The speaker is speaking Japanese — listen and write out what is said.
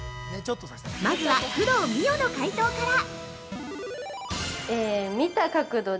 まずは、工藤美桜の解答から！